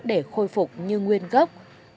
để khôi phục như nguyên gốc